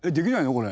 これ。